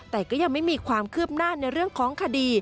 แต่ก็ยังไม่มีความคืบหน้าในเรื่องของคดี